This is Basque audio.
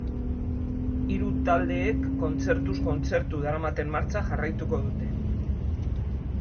Hiru taldeek kontzertuz kontzertu daramaten martxa jarraituko dute.